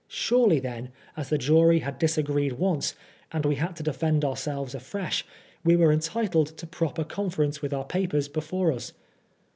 Surely, then, as the jury had disagreed once, and we had to defend ourselves afresh, we were entitled to proper conference with our papers before ns.